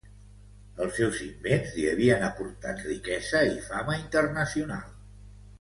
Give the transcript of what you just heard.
Els seus invents li havien aportat riquesa i fama internacional.